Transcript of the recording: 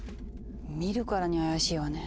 見るからに怪しいわね。